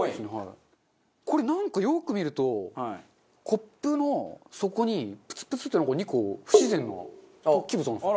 これなんかよく見るとコップの底にプツプツってなんか２個不自然な突起物があるんですよ。